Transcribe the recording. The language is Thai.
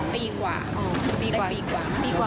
๒ปีกว่า